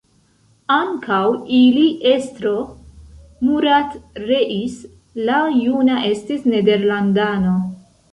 Ankaŭ ili estro, Murat Reis la Juna estis nederlandano.